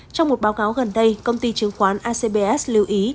trong một báo cáo gần đây công ty chứng khoán acbs lưu ý